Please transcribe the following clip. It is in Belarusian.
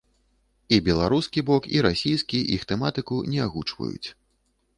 І беларускі бок, і расійскі іх тэматыку не агучваюць.